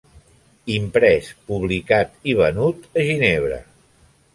Imprès, publicat i venut a Ginebra.